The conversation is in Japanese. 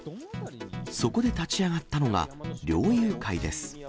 そこで立ち上がったのが、猟友会です。